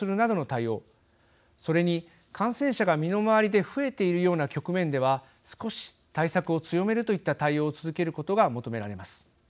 それに感染者が身の回りで増えているような局面では少し対策を強めるといった対応を続けることが求められます。